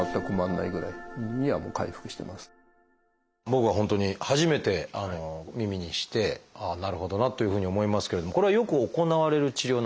僕は本当に初めて耳にしてああなるほどなというふうに思いますけれどもこれはよく行われる治療なんですか？